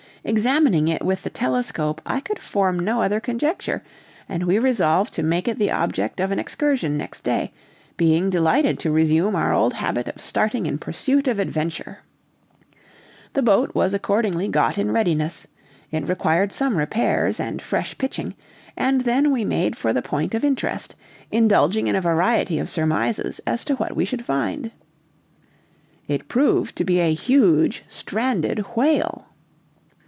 Examining it with the telescope, I could form no other conjecture, and we resolved to make it the object of an excursion next day, being delighted to resume our old habit of starting in pursuit of adventure. The boat was accordingly got in readiness; it required some repairs, and fresh pitching, and then we made for the point of interest, indulging in a variety of surmises as to what we should find. It proved to be a huge, stranded whale.